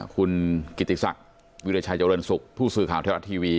คุณกิติศักดิ์วิราชัยเจริญสุขผู้สื่อข่าวไทยรัฐทีวี